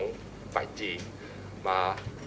สวัสดีครับ